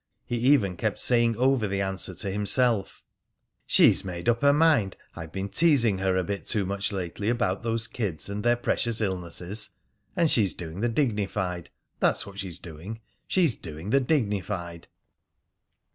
He even kept saying over the answer to himself: "She's made up her mind I've been teasing her a bit too much lately about those kids and their precious illnesses. And she's doing the dignified. That's what she's doing! She's doing the dignified!"